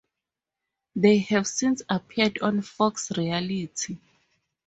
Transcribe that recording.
They have since appeared on Fox Reality.